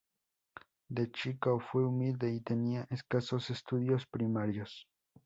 De chico fue humilde y tenía escasos estudios primarios.